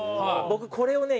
僕これをね